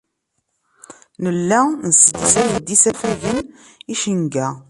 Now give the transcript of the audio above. Nella nesseɣlay-d isafagen icenga.